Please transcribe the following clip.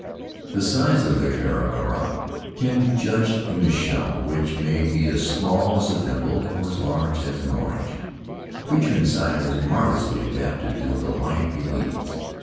The size of the kakara can be juaged from his shell, which may be as small as a thimble or as large as an orange. The creature inside is marvelously adapted to the life he leads.